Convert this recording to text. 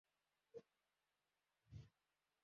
Umugabo akurikirana ubwato bwe izuba rirenze